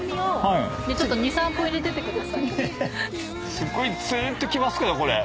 すっごいツンときますけどこれ。